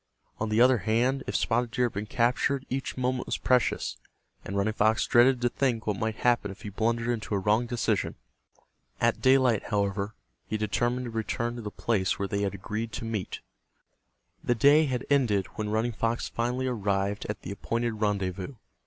On the other hand if Spotted Deer had been captured each moment was precious, and Running Fox dreaded to think what might happen if he blundered into a wrong decision. At daylight, however, he determined to return to the place where they had agreed to meet. The day had ended when Running Fox finally arrived at the appointed rendezvous.